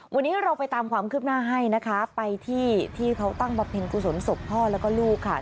วันนี้เราไปตามความคืบหน้าให้นะคะไปที่ที่เขาตั้งบำเพ็ญกุศลศพพ่อแล้วก็ลูกค่ะ